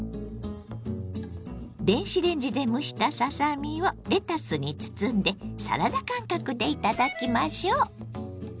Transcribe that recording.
電子レンジで蒸したささ身をレタスに包んでサラダ感覚で頂きましょ。